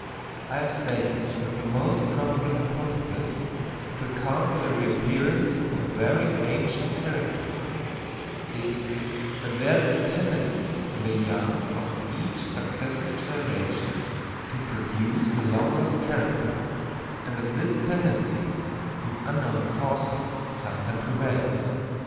I have stated that the most probable hypothesis to account for the reappearance of very ancient characters, is—that there is a tendency in the young of each successive generation to produce the long lost character, and that this tendency, from unknown causes, sometimes prevails.